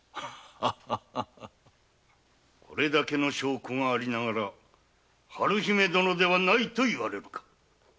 これだけの証拠がありながら春姫殿でないと言われるか。